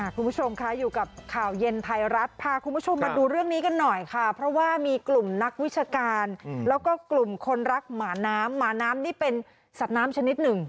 คุณผู้ชมคะอยู่กับข่าวเย็นไทยรัฐพาคุณผู้ชมมาดูเรื่องนี้กันหน่อยค่ะเพราะว่ามีกลุ่มนักวิชาการแล้วก็กลุ่มคนรักหมาน้ำหมาน้ำนี่เป็นสัตว์น้ำชนิดหนึ่ง